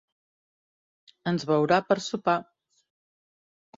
Ens veurà per sopar.